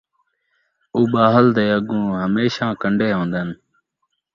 اُٻہل دے اڳوں ہمیشاں کنڈے ہوندن